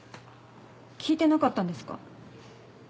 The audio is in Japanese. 聞いてなかったんですか？